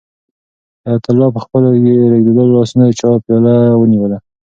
حیات الله په خپلو ریږېدلو لاسونو د چایو پیاله ونیوله.